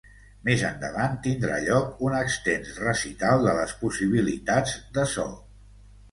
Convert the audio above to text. Més endavant tindrà lloc un extens recital de les possibilitats de so.